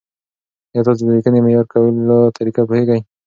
ایا تاسو د لیکنې معیاري کولو طریقه پوهېږئ؟